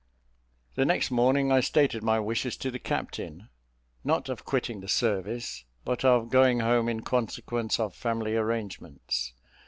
The next morning I stated my wishes to the captain, not of quitting the service, but of going home in consequence of family arrangements.